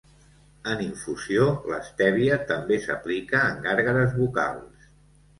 En infusió, l'estèvia també s'aplica en gàrgares bucals.